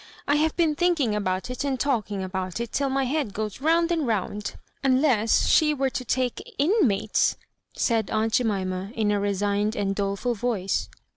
I have been thinking about it, and talking about it till n\j bead goes round and round. Unless she were to take Inmates," said aunt Jemima, in a resigned and doleful voice.